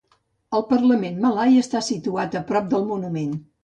El Parlament Malai està situat a prop del monument.